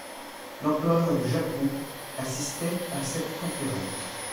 L'empereur du Japon assistait à cette conférence.